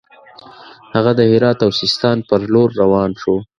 هغه د هرات او سیستان پر لور روان شو.